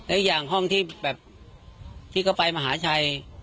และอีกอย่างห้องที่แบบพี่ก็ไปมหาชัย